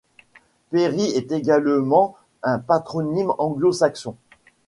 Perry est également un patronyme anglo-saxon.